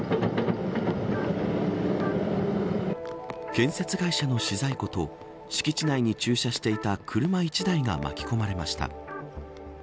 建設会社の資材庫と敷地内に駐車していた車１台が巻き込まれました。